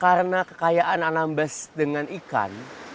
karena kekayaan anambas dengan ikan